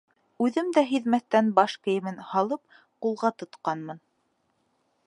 Үҙем дә һиҙмәҫтән баш кейемен һалып ҡулға тотҡанмын.